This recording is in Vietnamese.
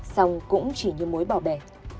xong cũng chỉ như mối bỏ bẻ